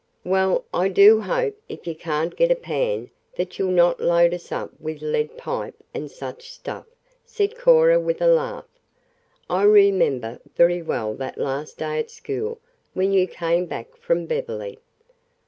"Well, I do hope if you can't get a pan that you'll not load us up with lead pipe and such stuff," said Cora with a laugh. "I remember very well that last day at school when you came back from Beverly.